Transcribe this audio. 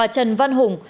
trần văn hùng